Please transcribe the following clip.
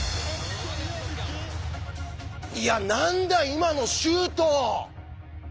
いや何だ今のシュート！